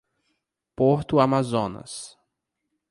Porto Amazonas